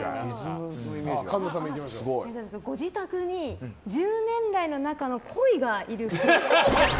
ご自宅に１０年来の仲の鯉がいるっぽい。